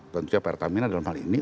tentunya pertamina dalam hal ini